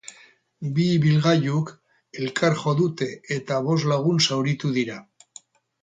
Bi ibilgailuk elkar jo dute eta bost lagun zauritu dira.